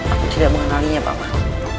aku tidak mengenalinya pak man